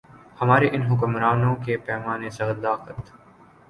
ہمارے ان حکمرانوں کے پیمانۂ صداقت۔